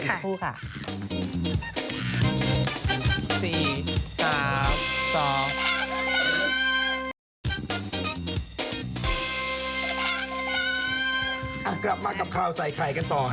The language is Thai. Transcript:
กลับมากับข่าวใส่ไข่กันต่อ